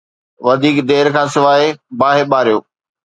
وڌيڪ دير کان سواءِ باهه ٻاريو.